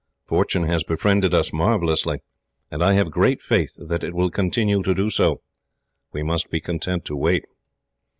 Fortune has befriended us marvellously, and I have great faith that it will continue to do so. We must be content to wait."